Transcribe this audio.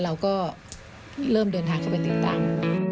เราก็เริ่มเดินทางเข้าไปติดตังค์